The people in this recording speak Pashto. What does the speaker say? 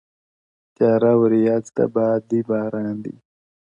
تیاره وریځ ده. باد دی باران دی.